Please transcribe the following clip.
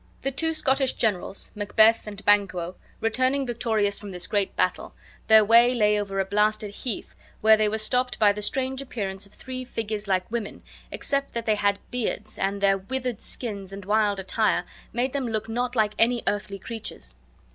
The two Scottish generals, Macbeth and Banquo, returning victorious from this great battle, their way lay over a blasted heath, where they were stopped by the strange appearance of three figures like women, except that they had beards, and their withered skins and wild attire made them look not like any earthly creatures.